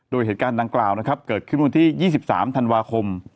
โดยเหตุการณ์ดังกล่าวนะครับเกิดขึ้นวันที่๒๓ธันวาคม